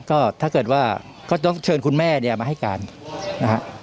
ก็ถ้าเกิดว่าก็ต้องเชิญคุณแม่เนี่ยมาให้การนะฮะ